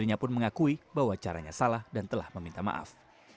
dirinya pun mengakui bahwa caranya salah dan telah meminta maaf